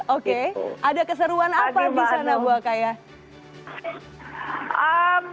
oke ada keseruan apa di sana bu akaya